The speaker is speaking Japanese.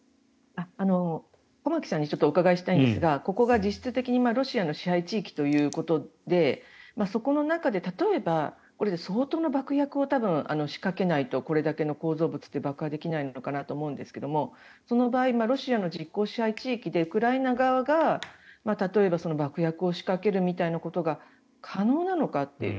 駒木さんにお伺いしたいんですがここが実質的にロシアの支配地域ということでそこの中で例えば相当な爆薬を多分仕掛けないとこれだけの構造物って爆破できないのかなって思うんですけどもその場合ロシアの実効支配地域でウクライナ側が例えば爆薬を仕掛けるみたいなことが可能なのかという。